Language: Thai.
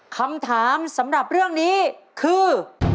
คำถามสำหรับเรื่องนี้คือ